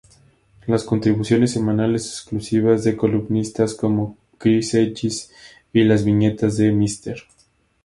Las contribuciones semanales exclusivas de columnistas como Chris Hedges y las viñetas de Mr.